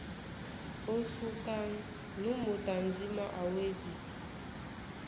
Ó súká, nú moto a ndímá a wédi.